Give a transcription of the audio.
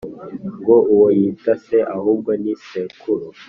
ngo uwo yita se, ahubwo ni sekuru.